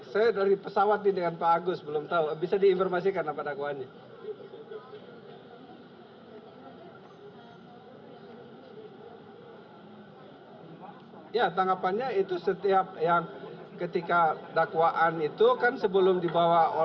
saya dari pesawat ini dengan pak agus belum tahu